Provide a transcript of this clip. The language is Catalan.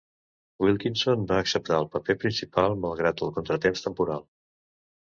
Wilkinson va acceptar el paper principal malgrat el contratemps temporal.